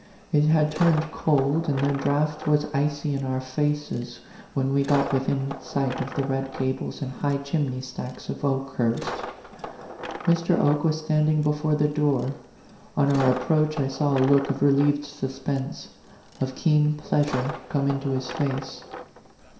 It had turned cold, and the draught was icy in our faces when we got within sight of the red gables and high chimney stacks of Okehurst. Mr. Oke was standing before the door. On our ap proach I saw a look of relieved suspense, of keen pleasure, come into his face.